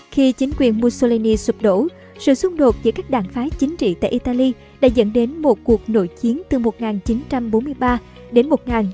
khi chính quyền mussolini sụp đổ sự xung đột giữa các đảng phái chính trị tại italy đã dẫn đến một cuộc nội chiến từ một nghìn chín trăm bốn mươi ba đến một nghìn chín trăm bốn mươi năm